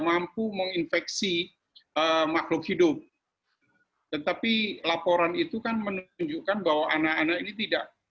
mampu menginfeksi makhluk hidup tetapi laporan itu kan menunjukkan bahwa anak anak ini tidak